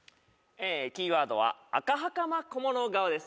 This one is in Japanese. キーワードは赤はかま小物顔です。